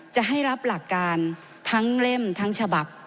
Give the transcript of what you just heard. จะให้รับหลักการทั้งเล่มทั้งฉบับ